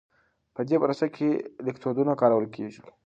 په دې پروسه کې الکترودونه کارول کېږي.